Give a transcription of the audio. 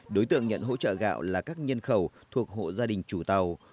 đối tượng nhận hỗ trợ gạo là các nhân khẩu thuộc hộ gia đình chủ tàu